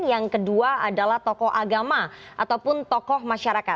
yang kedua adalah tokoh agama ataupun tokoh masyarakat